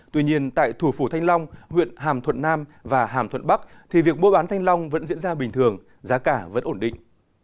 tuy nhiên tại thủ phủ thanh long huyện hàm thuận nam và hàm thuận bắc thì việc mua bán thanh long vẫn diễn ra bình thường giá cả vẫn ổn định